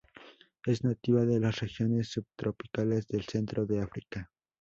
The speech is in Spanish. Es nativa de las regiones subtropicales del centro de África.